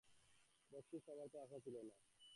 বকশিশ পাবার তো আশা ছিল না।